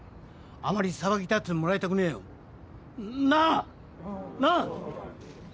あまり騒ぎ立ててもらいたくねえよ。なあ？なあ？